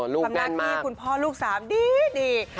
แล้วก็ทำหน้าที่คุณพ่อลูกสามดี